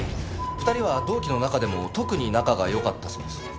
２人は同期の中でも特に仲が良かったそうです。